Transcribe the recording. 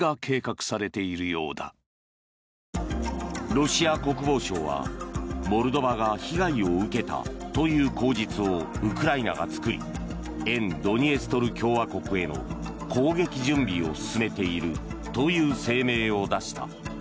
ロシア国防省はモルドバが被害を受けたという口実をウクライナが作り沿ドニエストル共和国への攻撃準備を進めているという声明を出した。